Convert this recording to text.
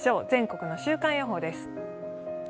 全国の週間予報です。